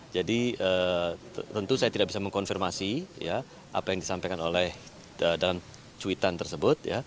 jadi tentu saya tidak bisa mengkonfirmasi apa yang disampaikan oleh dan cuitan tersebut